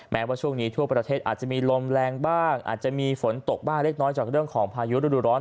แม้ว่าช่วงนี้ทั่วประเทศอาจจะมีลมแรงบ้างอาจจะมีฝนตกบ้างเล็กน้อยจากเรื่องของพายุฤดูร้อน